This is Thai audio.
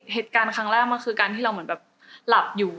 เหตุการณ์ครั้งแรกมันคือการที่เราเหมือนแบบหลับอยู่